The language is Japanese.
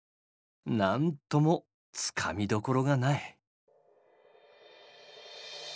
なんともつかみどころがない。